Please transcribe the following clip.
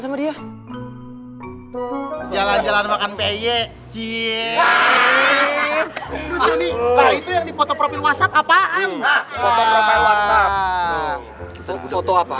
sama dia jalan jalan makan peye cieee nah itu yang dipotong profil whatsapp apaan foto apaan